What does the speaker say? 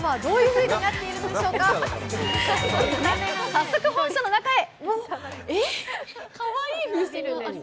早速、本社の中へ。